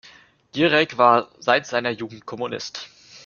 Gierek war seit seiner Jugend Kommunist.